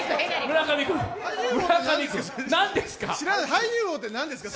俳優王って何ですか？